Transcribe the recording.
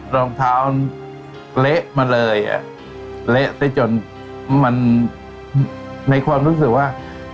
รองเท้ามันเละมาเลยอ่ะเละได้จนมันในความรู้สึกว่า